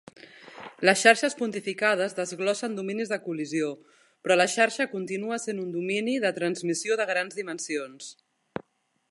Les xarxes pontificades desglossen dominis de col·lisió, però la xarxa continua sent un domini de transmissió de grans dimensions.